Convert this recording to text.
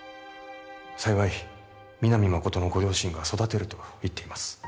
幸い皆実誠のご両親が育てると言っています